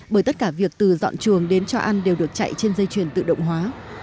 bởi tất cả việc từ dọn chuồng đến cho ăn đều được chạy trên dây truyền tự động hóa